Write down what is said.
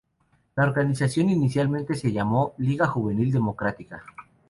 La organización inicialmente se llamó Liga Juvenil Democrática.